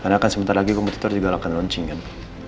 karena akan sebentar lagi kompetitor juga akan launching kan